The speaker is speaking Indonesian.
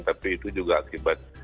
tapi itu juga akibat